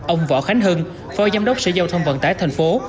ông võ khánh hưng phó giám đốc sở giao thông vận tải tp hcm